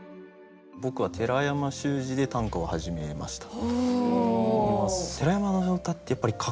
僕は寺山修司で短歌を始めました。